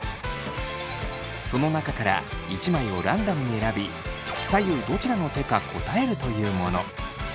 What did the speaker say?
その中から１枚をランダムに選び左右どちらの手か答えるというもの。